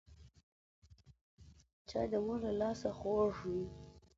چای د مور له لاسه خوږ وي